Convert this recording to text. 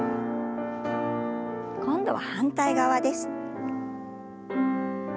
今度は反対側です。